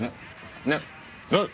なっおい？